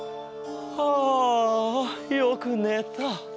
はあよくねた。